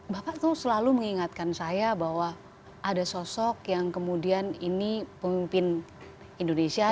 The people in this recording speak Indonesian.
bapak tuh selalu mengingatkan saya bahwa ada sosok yang kemudian ini pemimpin indonesia